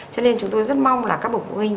cho nên chúng tôi rất mong là các bậc phụ huynh